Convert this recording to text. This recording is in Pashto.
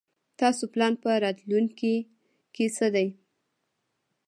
تاسو پلان په راتلوونکي کې څه دی ؟